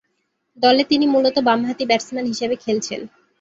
দলে তিনি মূলতঃ বামহাতি ব্যাটসম্যান হিসেবে খেলছেন।